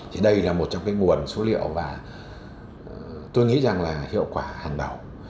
thì đây là một trong cái nguồn số liệu và tôi nghĩ rằng là hiệu quả hàng đầu